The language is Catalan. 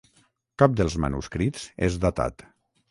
Cap dels manuscrits és datat.